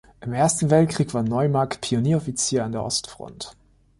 Im Ersten Weltkrieg war Neumark Pionieroffizier an der Ostfront.